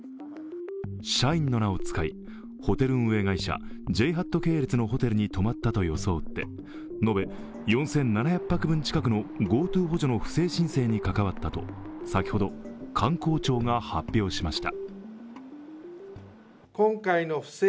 社員の名を使い、ホテル運営会社、ＪＨＡＴ系列のホテルに泊まったと装って延べ４７００泊分近くのＧｏＴｏ補助の不正申請に関わったと、先ほど観光庁が発表しました。